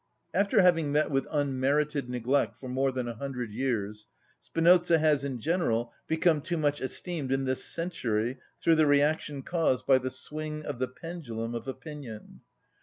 After having met with unmerited neglect for more than a hundred years, Spinoza has, in general, become too much esteemed in this century through the reaction caused by the swing of the pendulum of opinion.